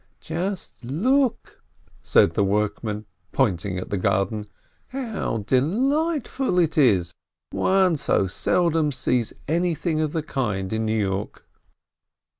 "Just look," said the workman, pointing at the garden, "how delightful it is! One so seldom sees anything of the kind in New York."